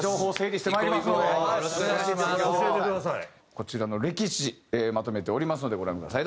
こちらの歴史まとめておりますのでご覧ください。